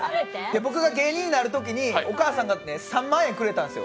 僕が芸人になるときに、お母さんが３万円くれたんですよ。